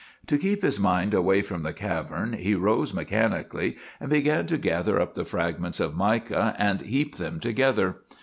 To keep his mind away from the cavern, he rose mechanically, and began to gather up the fragments of mica and heap them together.